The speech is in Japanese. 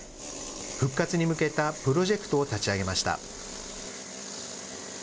復活に向けたプロジェクトを立ち上げました。